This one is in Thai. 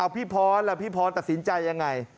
พี่พรล่ะพี่พรตัดสินใจยังไง